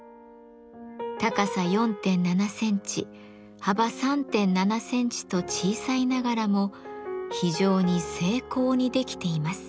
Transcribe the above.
高さ４．７センチ幅３．７センチと小さいながらも非常に精巧に出来ています。